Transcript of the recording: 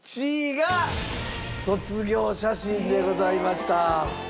『卒業写真』でございました。